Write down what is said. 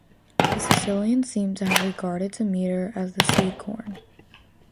The Sicilians seem to have regarded Demeter as the seed corn.